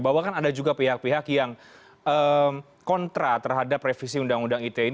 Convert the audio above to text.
bahwa kan ada juga pihak pihak yang kontra terhadap revisi undang undang ite ini